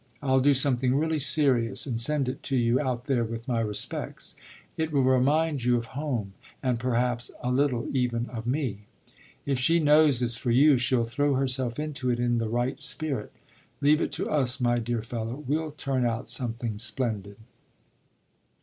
I'll do something really serious and send it to you out there with my respects. It will remind you of home and perhaps a little even of me. If she knows it's for you she'll throw herself into it in the right spirit. Leave it to us, my dear fellow; we'll turn out something splendid."